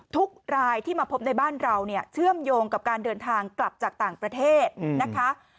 ทุกรายที่มาพบในบ้านเราเนี่ยเชื่อมโยงกับการเดินทางกลับจากต่างประเทศนะคะ